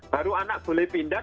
baru anak boleh pindah